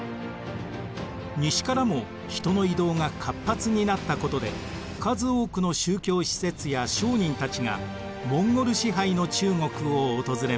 西からも人の移動が活発になったことで数多くの宗教使節や商人たちがモンゴル支配の中国を訪れました。